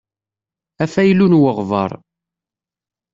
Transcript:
Afaylu n weɣbaṛ.